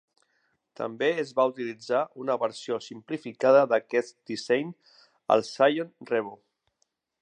També es va utilitzar una versió simplificada d'aquest disseny al Psion Revo.